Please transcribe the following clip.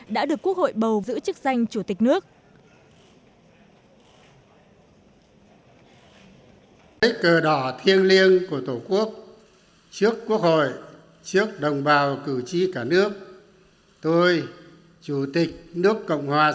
đã được quốc hội bầu giữ chức danh chủ tịch nước